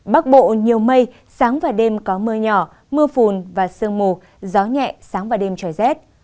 bắc bộ nhiều mây sáng và đêm có mưa nhỏ mưa phùn và sương mù gió nhẹ sáng và đêm trời rét